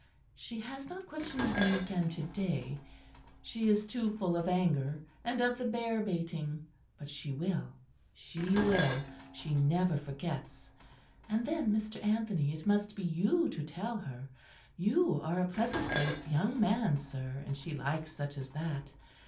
She has not questioned me again to day; she is too full of anger and of the bear baiting; but she will she will. She never forgets; and then Mr. Anthony, it must be you to tell her. You are a pleasant faced young man, sir, and she likes such as that.